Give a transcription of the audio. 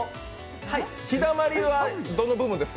ひだまりはどの部分ですか？